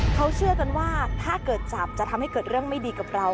เขาเชื่อกันว่าถ้าเกิดจับจะทำให้เกิดเรื่องไม่ดีกับเรา